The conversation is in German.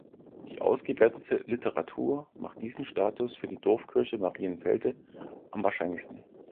Die ausgewertete Literatur macht diesen Status für die Dorfkirche Marienfelde am wahrscheinlichsten.